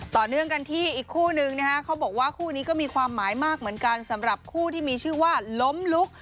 ต่อเนื่องกันที่อีกคู่นึงนะฮะเขาบอกว่าคู่นี้ก็มีความหมายมากเหมือนกันสำหรับคู่ที่มีชื่อว่าล้มลุก